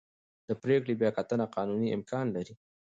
د پرېکړې بیاکتنه قانوني امکان لري.